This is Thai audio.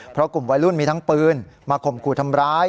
เพราะกลุ่มวัยรุ่นมีทั้งปืนมาข่มขู่ทำร้าย